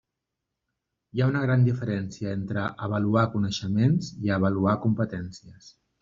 Hi ha una gran diferència entre avaluar coneixements i avaluar competències.